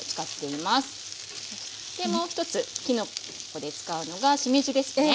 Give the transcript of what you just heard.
もう一つきのこで使うのがしめじですね。